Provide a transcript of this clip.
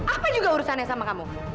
apa juga urusannya sama kamu